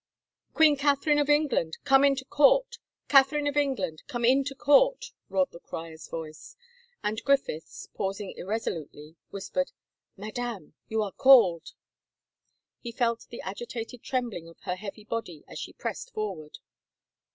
" Queen Catherine of England, come into court — Catherine of England, come into court," roared the crier's voice, and Griffeths, pausing irresolutely, whispered. " Madame, you are called 1 " He felt the agitated trembling of her heavy body as she pressed forward.